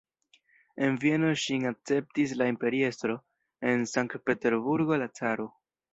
En Vieno ŝin akceptis la imperiestro, en Sankt-Peterburgo la caro.